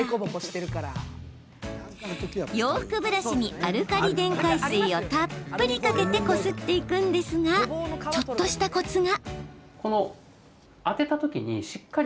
洋服ブラシにアルカリ電解水をたっぷりかけてこすっていくんですがちょっとしたコツが。